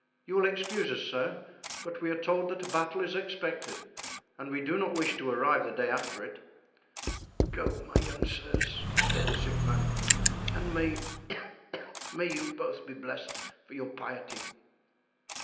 You will excuse us, sir, but we are told that a battle is expected and we do not wish to arrive the day after it." "Go, my young sirs," said the sick man, "and may you both be blessed for your piety.